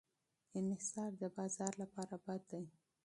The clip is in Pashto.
انحصار د بازار لپاره بد دی.